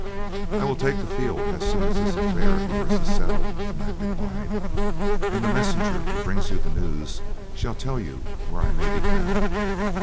"I will take the field as soon as this affair of yours is settled," the knight replied; "and the messenger who brings you the news shall tell you where I may be found.